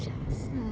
うん。